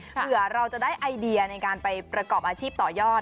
เผื่อเราจะได้ไอเดียในการไปประกอบอาชีพต่อยอด